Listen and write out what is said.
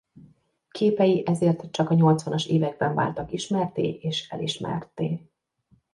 Képei ezért csak a nyolcvanas években váltak ismertté és elismertté.